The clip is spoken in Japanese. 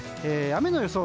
雨の予想